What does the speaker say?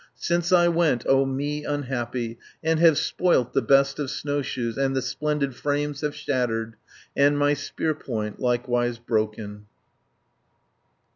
Since I went, O me unhappy, And have spoilt the best of snowshoes, And the splendid frames have shattered, And my spearpoint likewise broken."